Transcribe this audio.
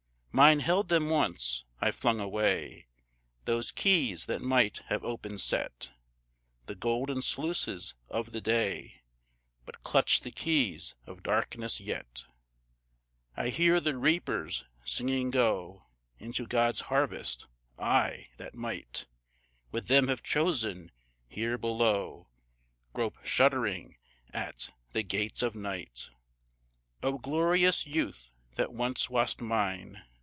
Mine held them once; I flung away Those keys that might have open set The golden sluices of the day, But clutch the keys of darkness yet; I hear the reapers singing go Into God's harvest; I, that might With them have chosen, here below Grope shuddering at the gates of night. O glorious Youth, that once wast mine!